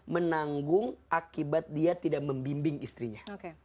menanggung akibat dia tidak membimbing istrinya